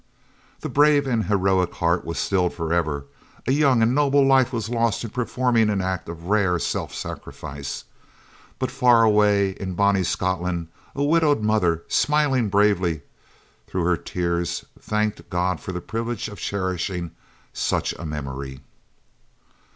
The brave and heroic heart was stilled for ever, a young and noble life was lost in performing an act of rare self sacrifice; but far away in "bonnie Scotland" a widowed mother, smiling bravely through her tears, thanked God for the privilege of cherishing such a memory.